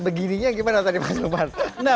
begininya gimana tadi mas lepas nah